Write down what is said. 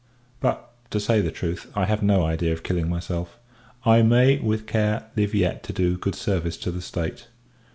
But, to say the truth, I have no idea of killing myself. I may, with care, live yet to do good service to the state.